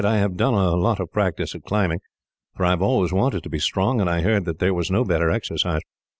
"I have done a lot of practice at climbing, for I have always wanted to get strong, and I heard that there was no better exercise."